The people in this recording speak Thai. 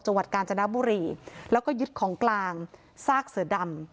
จังหวัดกาญจนบุรีแล้วก็ยึดของกลางซากเสือดำ